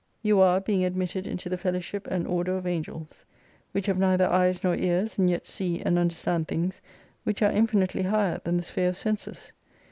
You are: being admitted into the fellowship and order of Angels Which have neither eyes nor ears, and yet see and understand things, which are infinitely ^^^^^^'"^^^J^^ sphere of senses.